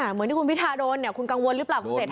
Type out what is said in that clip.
เหมือนที่คุณพิทาโดนคุณกังวลหรือเปล่าคุณเศรษฐา